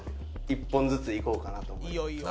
１本ずついこうかなと思います。